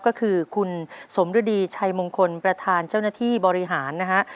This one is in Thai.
ก็คือคุณสมฤดีชัยมงคลประธานเจ้าหน้าที่บริหารนะฮะ